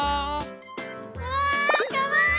うわかわいい！